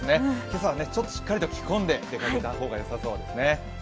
今朝はしっかりと着込んで出かけた方がよさそうですね。